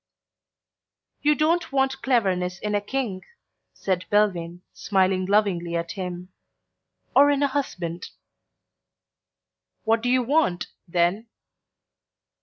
"You don't want cleverness in a King," said Belvane, smiling lovingly at him, "or in a husband." "What do you want then?"